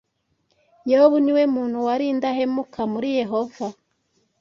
Yobu ni we muntu wari indahemuka kuri Yehova